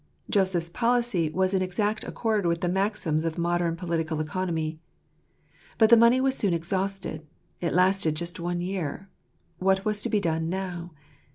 Joseph's policy was in exact accord with the maxims 'of modem political economy. But the money was soon exhausted: it lasted just one year. What was to be done now